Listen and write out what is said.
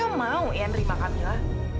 kok mereka mau ya nerima kamila